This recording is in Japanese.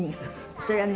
それはね